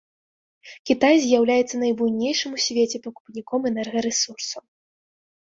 Кітай з'яўляецца найбуйнейшым у свеце пакупніком энергарэсурсаў.